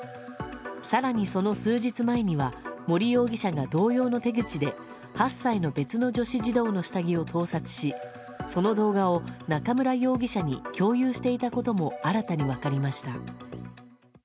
更に、その数日前には森容疑者が同様の手口で８歳の別の女子児童の下着を盗撮しその動画を中村容疑者に共有していたことも新たに分かりました。